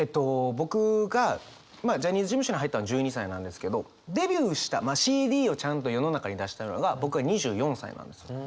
僕がまあジャニーズ事務所に入ったの１２歳なんですけどデビューしたまあＣＤをちゃんと世の中に出したのが僕は２４歳なんですよ。